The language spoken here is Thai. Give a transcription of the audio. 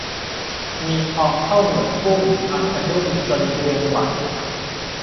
มีทองเท่าหนวดกุ้งนอนสะดุ้งจนเรือนไหว